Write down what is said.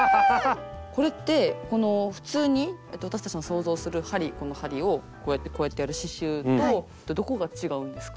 これって普通に私たちの想像するこの針をこうやってこうやってやる刺しゅうとどこが違うんですか？